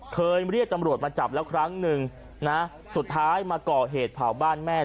เคยเรียกตำรวจมาจับแล้วครั้งหนึ่งนะสุดท้ายมาก่อเหตุเผาบ้านแม่